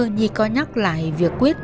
nhi coi nhắc lại việc quyết